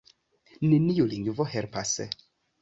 Neniu lingvo helpas.